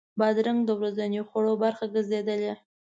بادرنګ د ورځني خوړو برخه ګرځېدلې.